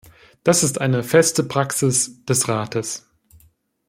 Das ist eine feste Praxis des Rates.